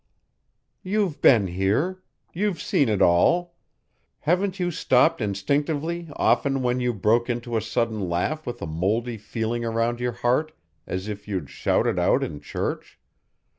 "You've been here. You've seen it all. Haven't you stopped instinctively often when you broke into a sudden laugh with a moldy feeling around your heart as if you'd shouted out in church?